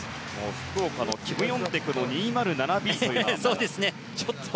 福岡のキム・ヨンテクの２０７Ｂというのはちょっと。